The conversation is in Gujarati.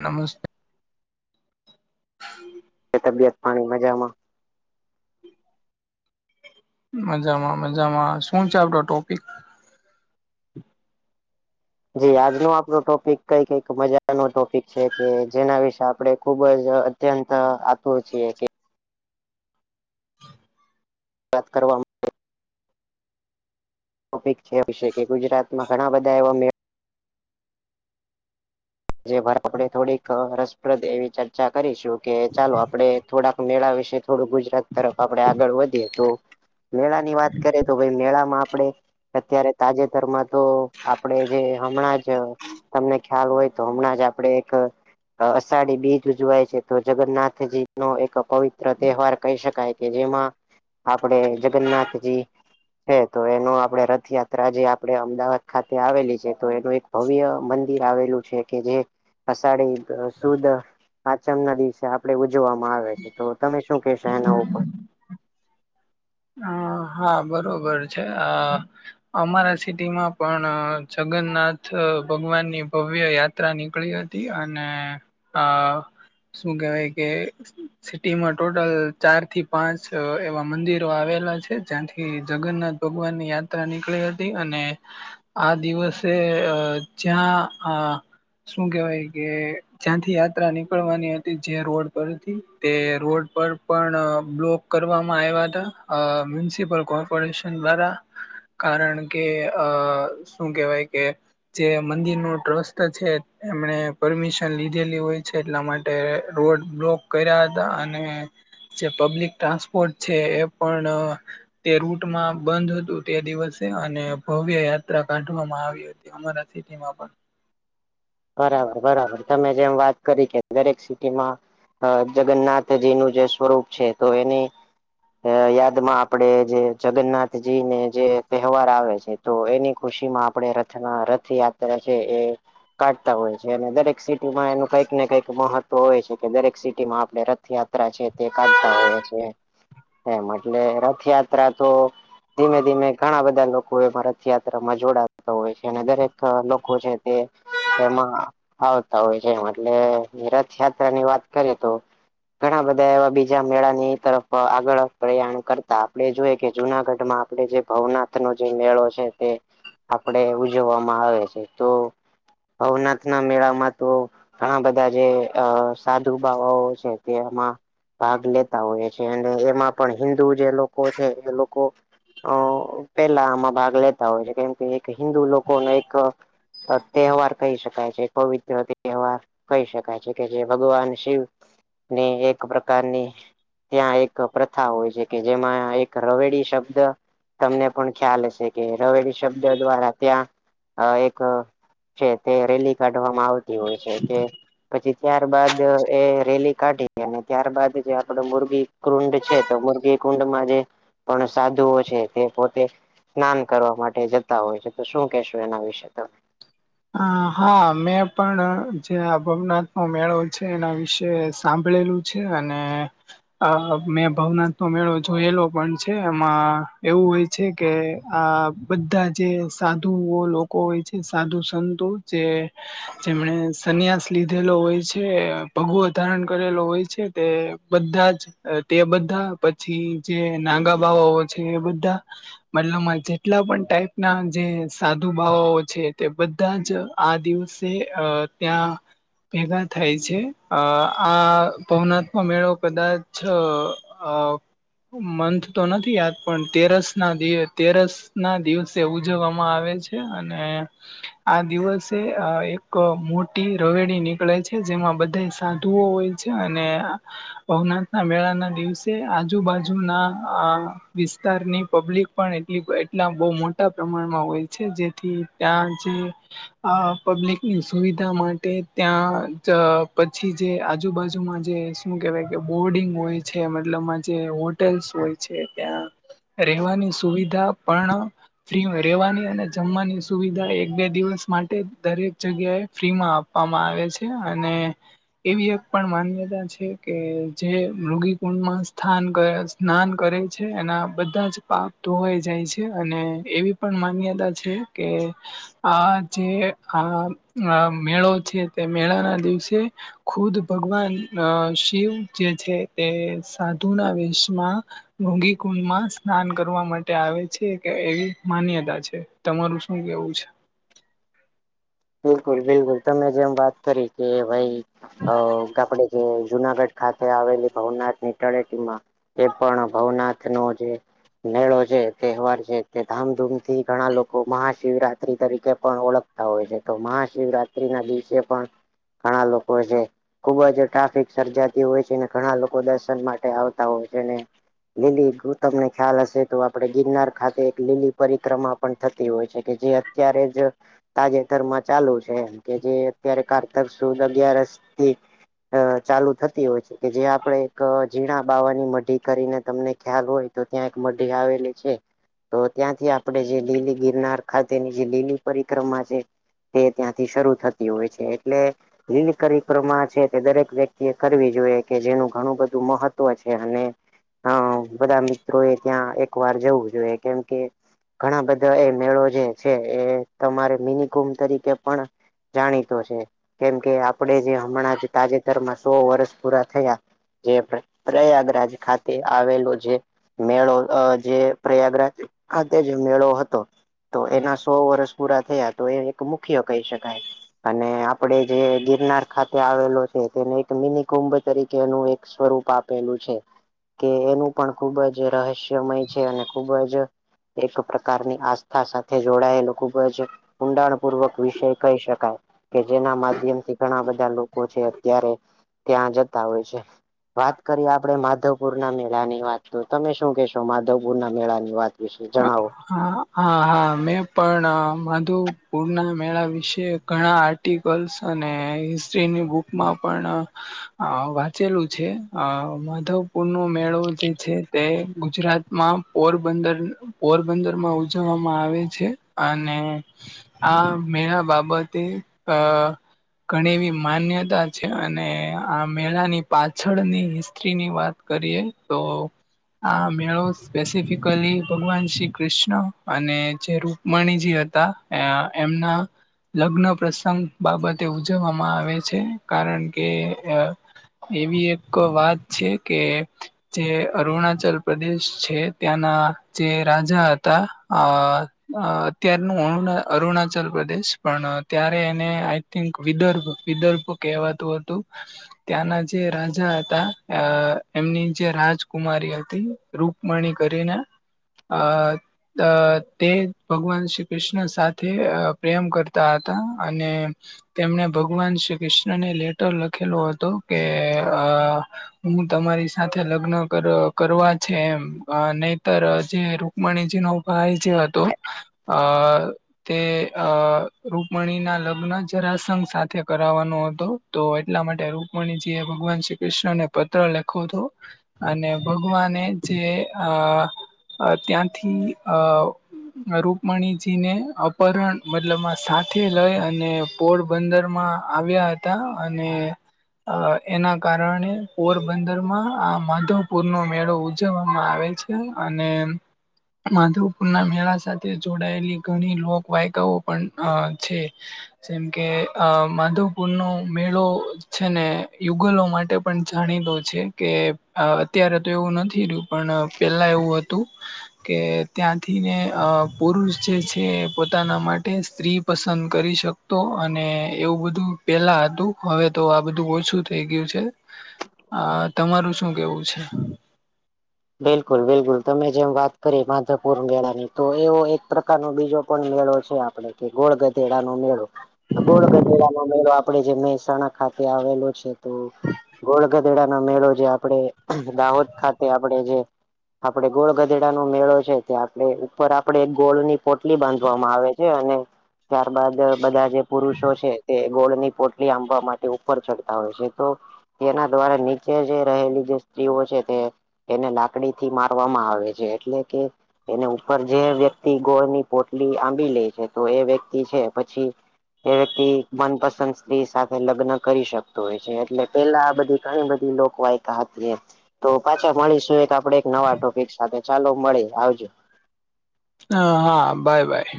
નમસ્તે તબિયત પાણી મજામાં મજામાં મજામાં શું છે આપડો ટોપિક? જી આજનો આપનું ટોપિક કઈ કક મજા નો ટોપિક છે કે જેના વિશે આપડે ખુબ જ અત્યંત આતુર છીએ વાત કરવામાં ટોપિક છે વિશે કે ગુજરાત માં ઘણા બધા એવા મે જે પર આપડે થોડીક રસપ્રદ એવી ચર્ચા કરીશું કે ચાલો આપડે થોડાક મેળા વિશે થોડું ગુજરાત તરફ આપડે આગળ વધીએ તો મેળા ની વાત કરે તો ભાઈ મેળા માં આપડે અત્યારે તાજેતરમાં તો આપડે જે હમણાં જ તમને ખ્યાલ હોય તો હમણાં જ આપડે એક અષાઢી બીજ ઉજવાય છે તો જગન્નાથજી નો એક પવિત્ર તહેવાર કહી શકાય કે જેમાં આપણે જગન્નાથજી હ તો એનું આપડે રથયાત્રા જે આપણે અમદાવાદ ખાતે આવેલી છે તો એનું એક ભવ્ય મંદિર આવેલું છે. કે જે અષાઢી સુદ પાચમ ના દિવસે આ પડે ઉજવામાં આવે છે, તો તમે શું કહેશો એના ઉપર? હ હા બરોબર છે હ અમારા સિટીમાં પણ જગન્નાથ ભગવાન ની ભવ્ય યા ત્રા નીકળી હતી અને આ શું કેવાય કે સિટીમાં ટોટલ ચાર થી પાંચ એવા મંદિર આવેલા છે જ્યાંથી જગન્નાથ ભગવાન ની યાત્રા નીકળી હતી અને આ દિવસે અ જ્યાં આ શું કેવાય કે જ્યાંથી યાત્રા નીકળવાની હતી જે રોડ પરથી તે રોડ પર પણ બ્લોક કરવામાં આવ્યા હતા અ મ્યુનિસિપલ કોર્પોરેશન દ્વારા કારણ કે આ શું કેહેવાય કે જે મંદિર નુ ટ્રસ્ટ છે એમને પરમિશન લીધેલી હોય છે એટલા મા ટે રોડ બ્લોક કર્યા હતા અને જે પબ્લિક ટ્રાન્સપોર્ટ છે એ પણ તે રૂટમાં બંધ હતું તે દિવસે અને ભવ્ય યાત્રા કાઢવામાં આવી હતી અમારા સિટી માં પણ બરાબર બરાબર તમે જેમ વાત કરી કે દરેક સિટીમાં અ જગન્નાથજી નું જે સ્વરૂપ છે તો એની યાદમાં આપડે જે જગન્નાથજી ને જે તહેવાર આવે છે તો એની ખુશી માં આપણે રથના રથયાત્રા છે એ કાઢતા હોય છે અને દરેક સિટીમાં એનું કઈક ને કંઈક મહત્વ હોય છે કે દરેક સિટીમાં આપણે રથયાત્રા છે, તે કાઢતા હોય છે. એમ એટલે રથયાત્રા તો ધીમે ધીમે ઘણા બધા લોકો એમાં રથયાત્રામાં જોડાતા હોય છે અને દરેક લોકો છે તે એમાં આવતા હોય છે એમ એટલે રથયાત્રા ની વાત કરીએ તો ઘણા બધા એવા બી જા મેળાની તરફ આગળ પ્રયાણ કરતા આપણે જોઈએ કે જુનાગઢ માં આપણે જે ભવના થ નો જે મેળો છે તે આપડે ઉજવવામાં આવે છે તો ભવનાથ ના મેળામાં તો ઘણા બધા જે સાધુ બાવાઓ છે તે એમાં ભાગ લેતા હોય છે અને એમાં પણ હિન્દુ જે લોકો છે એ લોકો અ પેલા આમાં ભાગ લેતા હોય છે કેમ કે એક હિન્દુ લોકોને એક તહેવાર કહી શકાય છે પવિત્ર તહેવાર કહી શકાય છે કે જે ભગવાન શિવ ને એક પ્રકારની ત્યાં એક પ્રથા હોય છે કે જેમાં એક રવેડી શબ્દ તમને પણ ખ્યાલ હશે કે રવેડી શબ્દ દ્વારા ત્યાં આ એક છે તે રેલી કાઢવામાં આવતી હોય છે કે પછી ત્યાર બાદ એ રેલી કાઢી અને ત્યારબાદ જે આપડ મોરબી કુંડ છે મુર્ગી કુંડમા જે પણ સાધુઓ છે તે પોતે સ્નાન કરવા માટે જતા હોય છે. ત શું કેહેશું એના વિશે તમે? હ હા મેં પણ જે ભવનાથ નો મેળો છે એના વિશે સાંભળેલું છે અને અ મેં ભવનાથ નો મેળો જોયેલો પણ છે એમાં એવું હોય છે કે આ બધા જે સાધુ લોકો હોય છે સાધુ સંતો જે જેમણે સન્યાસ લીધેલો હોય છે ભગવો ધારણ કરેલો હોય છે તે બધા જ તે બધા પછી જે નાંગા બાવાઓ છે એ બધા મતલબમાં જેટલા પણ ટાઈપ ના જે સાધુ બાવઓ છે તે બ બધા જ આ દિવસે અ ત્યાં ભેગા થાય છે અ આ ભવનાથ ન મેળો કદાચ અ મંન તો નથી યાદ પણ તેરસ ના દિવ તેરસ ના દિવસે ઉજવવામાં આવે છે અને આ દિવસે એક મોટી રવેડી નીકળે છે જેમાં બધાય સાધુઓ હોય છે અને ભવનાથ ના મેળા ના દિવસે આજુબાજુના વિસ્તારની પબ્લિક પણ એટલી એટલા બહુ મોટા પ્રમાણમાં હોય છે જેથી ત્યાં જે અ પબ્લિકની સુવિધા માટે ત્યાં જ પછી જે આજુબાજુમાં જે શું કેવાય કે બોર્ડિંગ હોય છે મતલબમાં જે હો ટેલ્સ હોય છે ત્યાં રહેવાની સુવિધા પણ ફ્રી રેવાની અને જમવાની સુવિધા એક બે દિવસ માટે દરેક જગ્યાએ ફ્રીમાં આપવામાં આવે છે અને એવી એક પણ માન્યતા છે કે જે મૃગી કુંડમાં સ્થાન કરે સ્નાન કરે છે એના બધા જ પાપ ધોવાઈ જાય છે અને એવી પણ માન્યતા છે કે આ જે આ અ મેળો છે તે મેળાના દિવસે ખુદ ભગવાન શિવ જે છે તે સાધુના વેશમાં મોગી કુંડમાં સ્નાન કરવા માટે આવે છે કે એવી માન્યતા છે તમારું શું કેવું છે બિલકુલ બિલકુલ તમે જેમ વાત કરી કે ભાઈ આપડે જે જુનાગઢ ખાતે આવેલી ભવનાથ ની ટળેટીમાં એ પણ ભવનાથ નો જે મેળો છે તહેવાર છે તે ધામધૂમ થી ઘણા લોકો મહાશિવરાત્રી તરીકે પણ ઓળખ તા હોય છે તો મહાશિવરાત્રી ના દિવસે પણ ઘણા લોકો છે ખુબ જ ટ્રાફિક સર્જાતી હોય છે અને ઘણા લોકો દર્શન માટે આવતા હોય છેને લીલી ગ તમને ખ્યાલ હશે તો આપણે ગિરનાર ખાતે એક લીલી પરિક્રમા પણ થતી હોય છે કે જે ત્યારે જ તજે તર મા ચાલુ છે એમ કે જે અત્યારે કારત સુ અગિયારસથી અ ચાલુ થતી હોય છે કે જે આપણેે એક ઝીણા બાવાની મઢી કરીને તમને ખ્યાલ હોય તો ત્યાં એક મઢી આવેલી છે તો ત્યાંથી આપડે જે લીલી ગિરનાર ખાતેની જે લીલી પરિક્રમા છે તે ત્યાંથી શરૂ થતી હોય છે એટલે લીલ પરિક્રમા છે તે દરેક વ્યક્તિ એ કરવી જોઈએ કે જેનું ઘણું બધું મહત્વ છે અને બધા મિત્રો એ ત્યાં એક વાર જવું જોઈએ કેમ કે ઘણા બધા એ મેળો જે છે એ તમારે કુંભ તરીકે પણ જાણીતો છે કેમ કે આપણે જે હમણાં તાજેતરમાં સો વર્ષ પૂરા થયા જે પ્રયાગરાજ ખાતે આવેલો જે મેળો અ જે પ્રયાગરાજ ખાતે જ મેળો હતો તો એના સો વર્ષ પૂરા થયા તો એ એક મુખ્ય કહી શકાય અને આપડે જે ગિરનાર ખાતે આવેલો છે તેને એક મિની કુંભ તરીકેનું એનું એક સ્વરૂપ આપ પેલું છે કે એનું પણ ખૂબ જ રહસ્યમય છે અને ખુબ જ એક પ્રકારની આસ્થા સાથે જોડાયેલું ખૂબ જ ઊંડાણપૂર્વક વિષય કહી શકાય કે જેના માધ્યમ થી ઘણા બધા લોકો છે અત્યારે ત્યાં જતા હોય છે વાત કરીએ આપડણે માધવપુર ના મેળા ની વાત તો તમે શું કેશો માધવપુર ના મેળા ની વાત વિશે જણાવો હા હા હા મેં પણ માધુપુરના મેળા વિશે ઘણા આ આર્ટિકલ્સ અને હિસ્ટ્રીની બુકમાં પણ અ વાંચેલું છે અ માધવપુર નો મેળો જે છે તે ગુજરાત માં પોરબંદર પોરબંદર માં ઉજવવામાં આવે છે અને આ મેરા બાબતે અ ઘણી એવી માન્યતા છે અને આ મેળાની પાછળની હિસ્ટ્રીની વાત કરીએ તો આ મેળો સ્પેસિફિકલી ભગવાન શ્રી કૃષ્ણ અને જે રૂપમણીજી હતા એમના લગ્ન પ્રસંગ બાબતે ઉજવવામાં આવે છે કારણ કે એવી એક વાત છે કે જે અરુણાચલ પ્રદેશ છે ત્યાંના જે રાજા હતા અ અત્યારનું અ અરુણાચલ પ્રદેશ પણ ત્યારે એને આઈ થિંક વિદર્ભ વિદર્ભ કહેવાતું હતું ત્યાંના જે રાજા હતા અ એમની જે રાજકુમારી હતી રુક મણી કરીને અ અ તે ભગવાન શ્રી કૃષ્ણ સાથે પ્રેમ કરતા હતા અને તેમણે ભગવાન શ્રી કૃષ્ણને લેટર લખેલો હતો કે આ હું તમારી સાથે લગ્ન કરવા છે એમ નહી તર જે રુકમણીજી નો ભાઈ જે હતો અ તે અ રૂકમણી ના લગ્ન જરાસઘ સાથે કરવાનો હતો તો એટલા માટે રૂકમણીજી એ ભગવાન શ્રી કૃષ્ણને પત્ર લયખો હતો અને ભગવાને જે આ અ ત્યાંથી અ રૂકમણીજીને અપહરણ મતલબમાં સાથે લઈ અને પોરબંદર માં આવ્યા હતા અને અ એના કારણે પોરબંદર માં આ માધવપુર નો મેળો ઉ જવવામાં આવે છે અને માધવપુર ના મેળા સાથે જોડાયેલી ઘણી લોક વાયકાઓ પણ છે. જેમ કે અ માધવપુર નો મેળો છે ને યુગલો માટે પણ જાણીતો છે કે અત્યારે તો એવું નથી રહ્યું પણ પેલા એવું હતું કે ત્યાંથીને અ પુરુષ જે છે પોતાના માટે સ્ત્રી પસંદ કરી શક તો અને એવું બધું પેલા હતું હવે તો આ બધું ઓછું થઈ ગયું છે. આ તમારું શું કેવું છે? બિલકુલ બિલકુલ તમે જેમ વાત કરી માધવપુર મેળા ની તો એવો એક પ્રકાર નો બીજો પણ મેળો છે. કે ગોળ ગધેડા નો મેળો ગોળ ગધેડા નો મેળો આ પડે જે મહેસાણા ખાતે આવેલો છે તો ગોળ ગધેડાનો મેળો જે આપડે દાહોદ ખાતે આપડે જે આપડે ગોળ ગધેડા નો મેળો છે તે આપડે ઉપર આપડે ગોળની પોટલી બાંધવામાં આવે છે અને ત્યારબાદ બધા જે પુરુષો છે તે ગોળ ની પોટલી આંબવા માટે ઉપર ચડતા હોય છે તો તેના દ્વારા નીચે જે રહેલી જે સ્ત્રીઓ છે તે એને લાકડીથી મારવામાં આવે છે એટલે કે એને ઉપર જે વ્યક્તિ ગોળની પોટલી આંબી લે છે તો એ વ્યક્તિ છે પછી એ વ્યક્તિ મનપસંદ સ્ત્રી સાથે લગ્ન કરી શકતો હોય છે એટલે પેલા આ બધી ઘણી બધી લો ક વાયકા હતી એમ તો પાછા મળીશું એક આપડે એક નવા ટોપિક સાથે ચાલો મળી આવજો. હ હા બાય બાય